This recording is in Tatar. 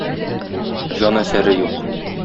Җан әсәре юк